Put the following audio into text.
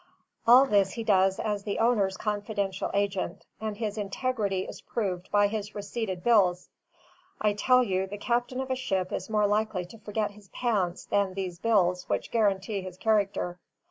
All this he does as the owner's confidential agent, and his integrity is proved by his receipted bills. I tell you, the captain of a ship is more likely to forget his pants than these bills which guarantee his character.